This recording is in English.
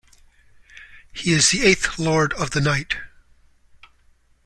He is the eighth Lord of the Night.